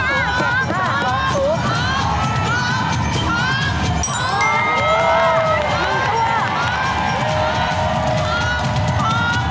เลขนั้นเลขก็คือนะ๐๒๗๕๐หรือ๒๗๕๐บาท